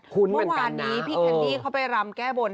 คุ้นเหมือนกันนะวันนี้พี่แคนดี้เขาไปรำแก้บน